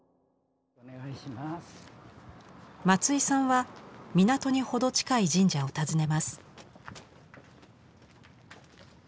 松井さんは港にほど近い神社を訪ねます。